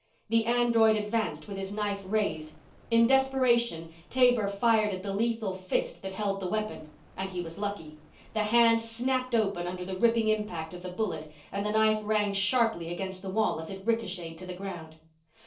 The android advanced with his knife raised. In desperation, Taber fired at the lethal fist that held the weapon. And he was lucky. The hand snapped open under the ripping impact of the bullet and the knife rang sharply against the wall as it ricocheted to the ground.